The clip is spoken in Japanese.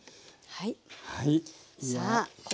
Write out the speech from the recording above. はい。